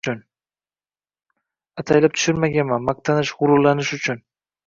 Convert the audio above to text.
ataylab tushirmaganman, maqtanish, g’ururlanish uchun.